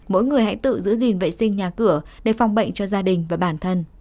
mỗi người hãy tự giữ gìn vệ sinh nhà cửa để phòng bệnh cho gia đình và bản thân